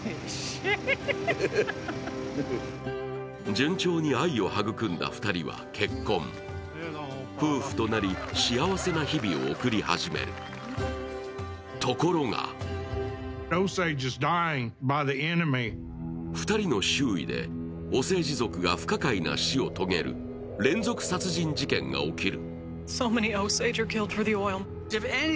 順調に愛を育み２人は結婚、夫婦となり幸せな日々を送り始めるところが２人の周囲でオセージ族が不可解な死を遂げる連続殺人事件が起こる。